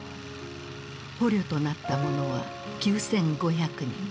捕虜となった者は９，５００人。